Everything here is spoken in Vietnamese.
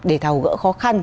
để thảo gỡ khó khăn